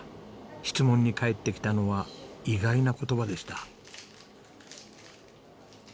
質問に返ってきたのは意外な言葉でした。